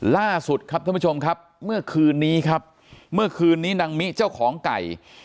ล่าสุดครับท่านผู้ชมครับเมื่อคืนนี้ครับเมื่อคืนนี้นางมิเจ้าของไก่